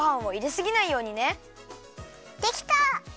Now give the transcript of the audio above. できた！